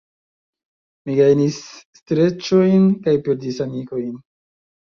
Mi gajnis streĉon kaj perdis amikojn.